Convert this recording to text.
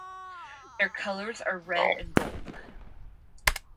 Their colors are red and gold.